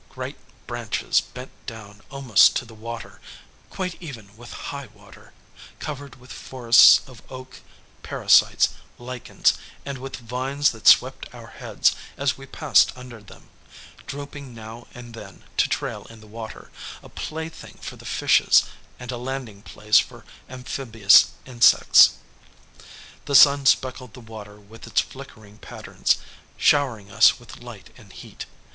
Great branches bent down almost to the water, quite even with high water, covered with forests of oak, parasites, lichens, and with vines that swept our heads as we passed under them, drooping now and then to trail in the water, a plaything for the fishes, and a landing place for amphibious insects. The sun speckled the water with its flickering patterns, showering us with light and heat.